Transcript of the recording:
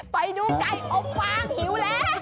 ไปดูไก่อบวางหิวแล้ว